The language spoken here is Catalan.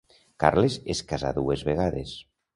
Carles es casà dues vegades.